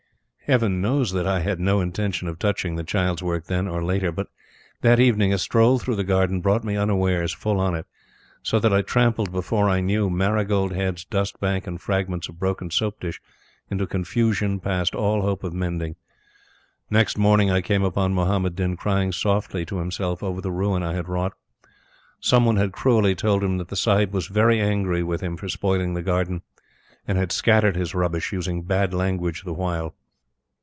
Heaven knows that I had no intention of touching the child's work then or later; but, that evening, a stroll through the garden brought me unawares full on it; so that I trampled, before I knew, marigold heads, dust bank, and fragments of broken soap dish into confusion past all hope of mending. Next morning I came upon Muhammad Din crying softly to himself over the ruin I had wrought. Some one had cruelly told him that the Sahib was very angry with him for spoiling the garden, and had scattered his rubbish using bad language the while.